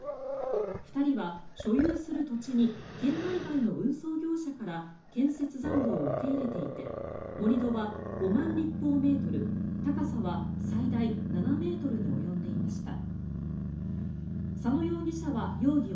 ２人は所有する土地に県内外の運送業者から建設残土を受け入れていて盛り土は５万立方メートル高さは最大７ｍに及んでいました。